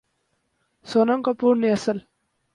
سونم کپور نے اسل